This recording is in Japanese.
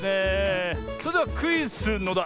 それでは「クイズのだ」